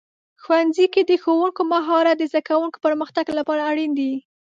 ښوونځي کې د ښوونکو مهارت د زده کوونکو پرمختګ لپاره اړین دی.